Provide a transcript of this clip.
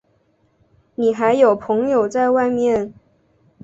你还有朋友在外面？